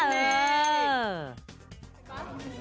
เออ